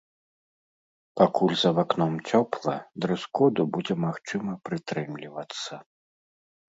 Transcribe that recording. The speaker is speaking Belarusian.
Пакуль за вакном цёпла, дрэс-коду будзе магчыма прытрымлівацца.